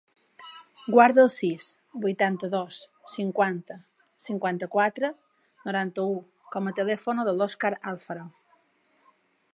Guarda el sis, vuitanta-dos, cinquanta, cinquanta-quatre, noranta-u com a telèfon de l'Òscar Alfaro.